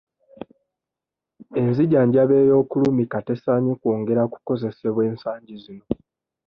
Enzijanjaba ey'okulumika tesaanye kwongera kukozesebwa ensangi zino.